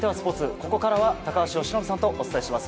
ここからは高橋由伸さんとお伝えします。